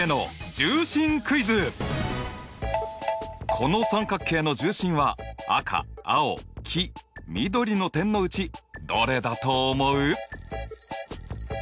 この三角形の重心は赤青黄緑の点のうちどれだと思う？